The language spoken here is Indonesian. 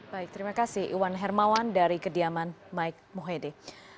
baik terima kasih iwan hermawan dari kediaman mike mohede